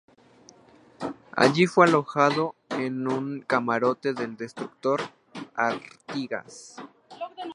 Allí fue alojado en un camarote del destructor Artigas.